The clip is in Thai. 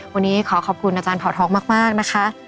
วันนี้ขอขอบคุณอาจารย์เผาทองมากนะคะ